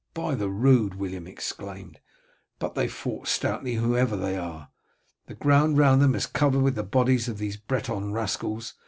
"By the rood," William exclaimed, "but they fought stoutly, whoever they are. The ground round them is covered with the bodies of these Breton rascals.